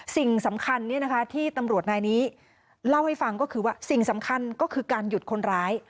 สิ่งสำคัญที่ตำรวจนายนี้เล่าให้ฟังก็คือว่าสิ่งสำคัญก็คือการหยุดคนร้าย